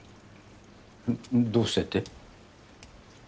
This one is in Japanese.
「どうして」って？